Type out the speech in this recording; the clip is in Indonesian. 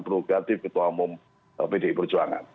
prerogatif ketua umum pdi perjuangan